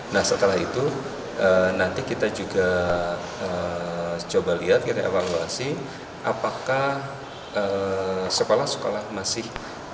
nah setelah itu nanti kita juga coba lihat kita evaluasi apakah sekolah sekolah masih